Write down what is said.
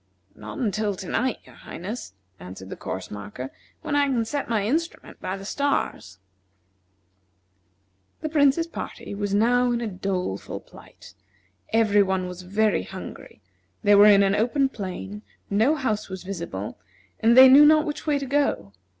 "Not until to night, your Highness," answered the course marker, "when I can set my instrument by the stars." The Prince's party was now in a doleful plight. Every one was very hungry; they were in an open plain, no house was visible, and they knew not which way to go.